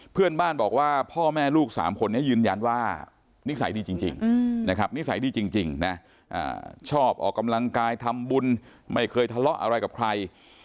เพื่อนบ้านบอกว่าพ่อแม่ลูกสามคนยืนยันว่านิสัยดีจริงชอบออกกำลังกายทำบุญไม่เคยทะเลาะอะไรกับใคร